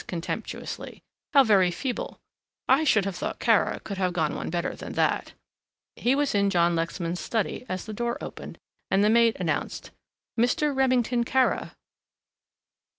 contemptuously, "how very feeble, I should have thought Kara could have gone one better than that." He was in John Lexman's study as the door opened and the maid announced, "Mr. Remington Kara."